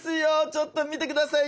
ちょっと見てください。